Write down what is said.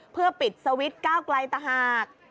เพื่อปิดสวิตช์ก้าวไกลต่างหาก